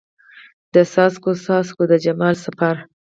د څاڅکو، څاڅکو د جمال سفر